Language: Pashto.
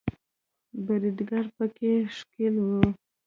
بریدګر په کې ښکیل وو